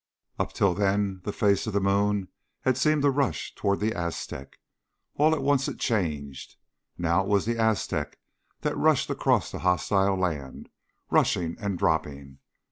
Up until then the face of the moon had seemed to rush toward the Aztec. All at once it changed. Now it was the Aztec that rushed across the hostile land rushing and dropping.